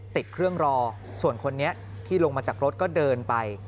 ติดเครื่องรอส่วนคนนี้ที่ลงมาจากรถก็เดินไป